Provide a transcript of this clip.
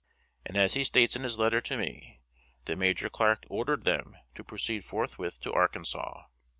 and as he states in his letter to me, that Major Clark ordered them to proceed forthwith to Arkansas.